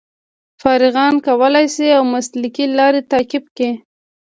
فارغان کولای شي اوه مسلکي لارې تعقیب کړي.